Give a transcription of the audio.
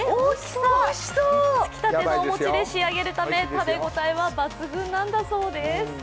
つきたてのお餅で仕上げるため食べ応えは抜群です。